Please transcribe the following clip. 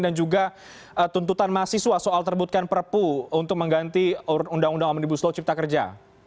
dan juga tuntutan mahasiswa mengantin perpu untuk mengganti undang undang omnibus law cipta kerja